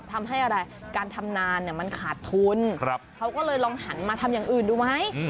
ทำให้อะไรการทำนานมันขาดทุนเขาก็เลยลองหันมาทำอย่างอื่นดูไหม